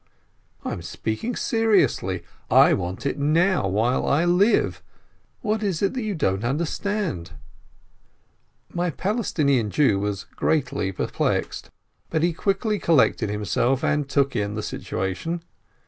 "I am speaking seriously. I want it now, while I live ! What is it you don't understand ?" My Palestinian Jew was greatly perplexed, but he quickly collected himself, and took in the situation.